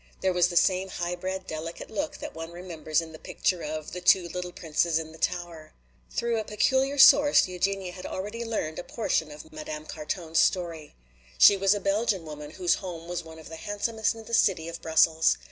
There was the same high bred, delicate look that one remembers in the picture of "The Two Little Princes in the Tower." Through a peculiar source Eugenia had already learned a portion of Madame Carton's story. She was a Belgian woman whose home was one of the handsomest in the city of Brussels.